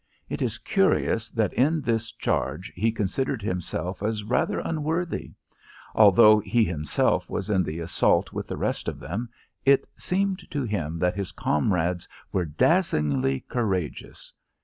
It is curious that in this charge he considered himself as rather unworthy. Although he himself was in the assault with the rest of them, it seemed to him that his comrades were dazzlingly courageous.